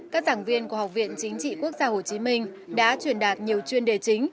các giảng viên của học viện chính trị quốc gia hồ chí minh đã truyền đạt nhiều chuyên đề chính